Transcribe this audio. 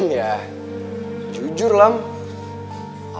kau dengan alina